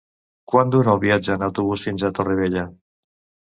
Quant dura el viatge en autobús fins a Torrevella?